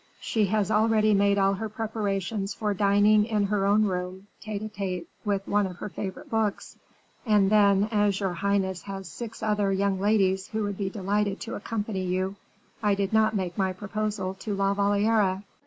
"She has already made all her preparations for dining in her own room tete a tete with one of her favorite books. And then, as your highness has six other young ladies who would be delighted to accompany you, I did not make my proposal to La Valliere."